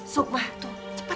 sukma tuh cepet